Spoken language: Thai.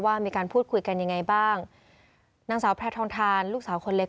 ว่ามีการพูดคุยกันยังไงบ้างนางสาวแพร่ทองทานลูกสาวคนเล็ก